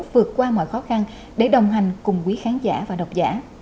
vượt qua mọi khó khăn để đồng hành cùng quý khán giả và độc giả